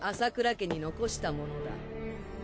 家に残したものだ。